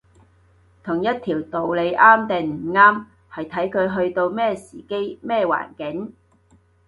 同一條道理啱定唔啱，係睇佢去到咩時機，咩環境